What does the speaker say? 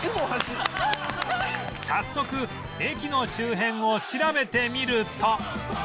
早速駅の周辺を調べてみると